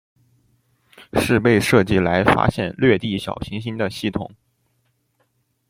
是被设计来发现掠地小行星的系统。